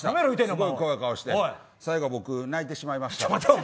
すごい怖い顔して最後僕、泣いてしまいました。